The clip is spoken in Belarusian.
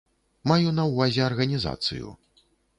Маю на ўвазе арганізацыю.